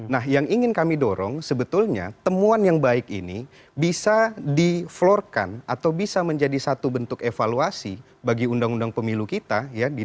nah yang ingin kami dorong sebetulnya temuan yang baik ini bisa di floorkan atau bisa menjadi satu bentuk evaluasi bagi undang undang pemilu kita